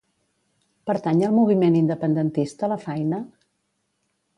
Pertany al moviment independentista la Faina?